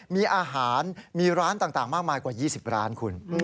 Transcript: มีอาหารมีร้านต่างมากมายกว่า๒๐ร้านคุณ